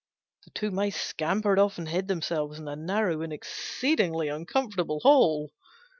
The two Mice scampered off and hid themselves in a narrow and exceedingly uncomfortable hole.